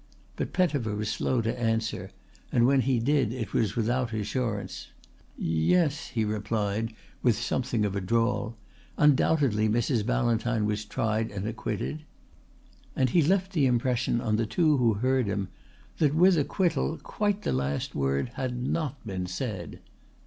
But Pettifer was slow to answer, and when he did it was without assurance. "Ye es," he replied with something of a drawl. "Undoubtedly Mrs. Ballantyne was tried and acquitted"; and he left the impression on the two who heard him that with acquittal quite the last word had not been said.